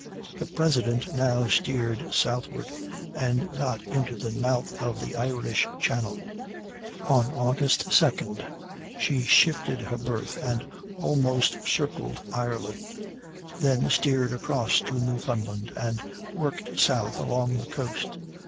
The President now steered southward and got into the mouth of the Irish Channel; on August 2d she shifted her berth and almost circled Ireland; then steered across to Newfoundland, and worked south along the coast.